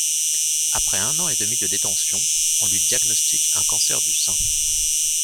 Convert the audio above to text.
Après un an et demi de détention, on lui diagnostique un cancer du sein.